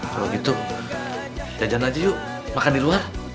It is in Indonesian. kalau gitu jajan aja yuk makan di luar